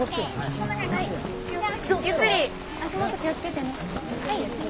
ゆっくり足元気を付けてね。